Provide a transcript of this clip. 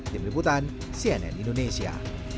tim liputan cnn indonesia